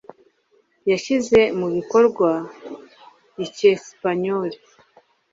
Yishyize mu bikorwa icyesipanyoli.